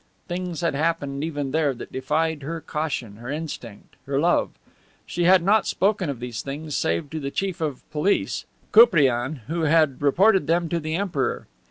Things had happened even there that defied her caution, her instinct, her love. She had not spoken of these things save to the Chief of Police, Koupriane, who had reported them to the Emperor.